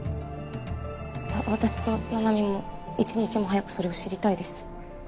私と七海も一日も早くそれを知りたいです